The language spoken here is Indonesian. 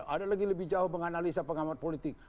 ada lagi lebih jauh menganalisa pengamat politik